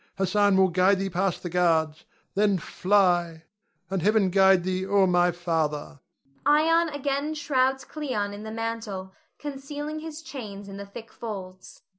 Hassan will guide thee past the guards. Then fly, and Heaven guide thee, O my father! [Ion again shrouds Cleon in the mantle, concealing his chains in the thick folds.